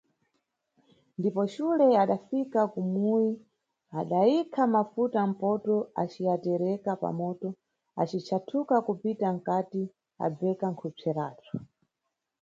Ndipo xule adafika kumuyi adayikha mafuta mphoto aciyatereka pamoto aci chathuka kupita nkati abveka khupseratu.